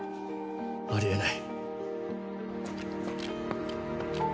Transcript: あり得ない。